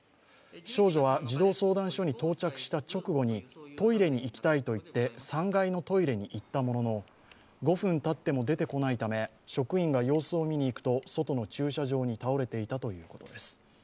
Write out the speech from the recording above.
少女は児童相談所に到着した直後にトイレに行きたいといって３階のトイレに行ったものの５分たっても出てこないため、職員が様子を見に行くと外の駐車場に倒れていたということです。